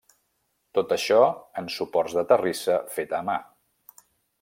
Tot això en suports de terrissa feta a mà.